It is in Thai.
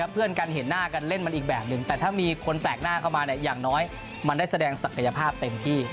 เพื่อนกันเห็นหน้ากันเล่นมันอีกแบบหนึ่งแต่ถ้ามีคนแปลกหน้าเข้ามาอย่างน้อยมันได้แสดงศักยภาพเต็มที่